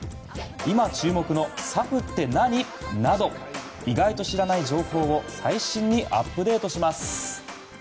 今注目のＳＡＦって何？など意外と知らない情報を最新にアップデートします。